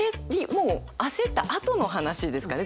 もう焦ったあとの話ですかね